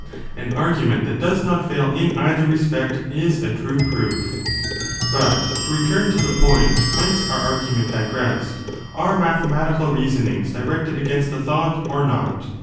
An argument that does not fail in either respect is a true proof. But, to return to the point whence our argument digressed, 1 are mathematical reasonings directed against the thought, or not